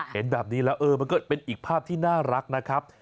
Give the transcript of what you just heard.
เห็นแบบนี้แล้วเออมันก็เป็นอีกภาพที่น่ารักนะครับ